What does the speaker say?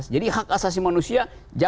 jadi hak asasi manusia